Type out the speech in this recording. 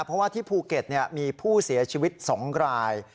เพราะว่าที่ภูเกษนี่มีผู้เสียชีวิตสองกลาย